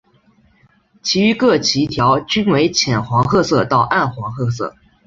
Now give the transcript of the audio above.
其余各鳍条均为浅黄褐色到暗黄褐色。